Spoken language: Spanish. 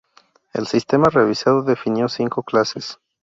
El sistema revisado definió cinco clases.